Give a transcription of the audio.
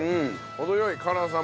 程良い辛さも。